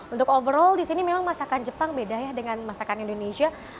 untuk overall di sini memang masakan jepang beda ya dengan masakan indonesia